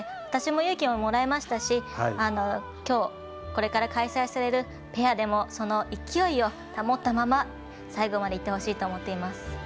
私も勇気をもらいましたしきょう、これから開催されるペアでもその勢いを保ったまま最後までいってほしいと思っています。